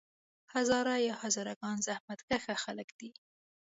هزاره یا هزاره ګان زحمت کښه خلک دي.